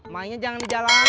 mainnya jangan di jalan